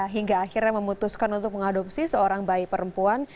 hingga akhirnya memutuskan untuk mengadopsi seorang bayi perempuan